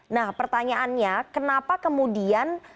nah pertanyaannya kenapa kemudian